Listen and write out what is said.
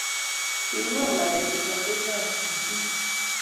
King'em ng'alechu sobet ab ketiik